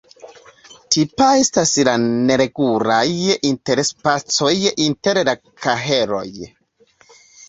Tipa estas la neregulaj interspacoj inter la kaheloj.